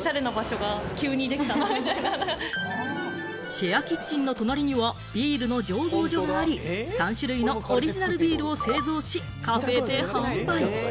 シェアキッチンの隣にはビールの醸造所があり、３種類のオリジナルビールを製造し、カフェで販売。